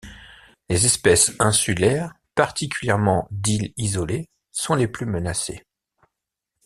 Les espèces insulaires, particulièrement d'îles isolées, sont les plus menacées.